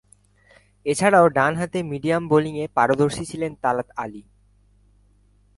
এছাড়াও, ডানহাতে মিডিয়াম বোলিংয়ে পারদর্শী ছিলেন তালাত আলী।